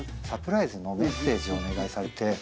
「サプライズのメッセージをお願いされて」